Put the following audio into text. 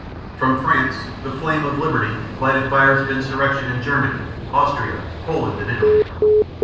From France the flame of liberty lighted fires of insurrection in Germany, Austria, Poland, and Italy.